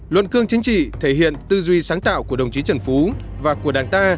luận cương chính trị thể hiện tư duy sáng tạo của đồng chí trần phú và của đảng ta